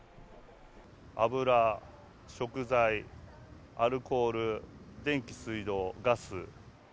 油、食材、アルコール、電気、水道、ガス。